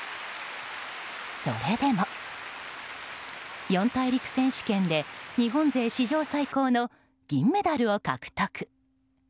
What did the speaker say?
それでも、四大陸選手権で日本勢史上最高の銀メダルを獲得。